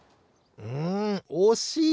んおしい！